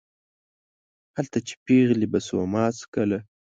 هلته چې پېغلې به سوما څکله